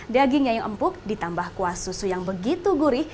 dagingnya yang empuk ditambah kuah susu yang begitu gurih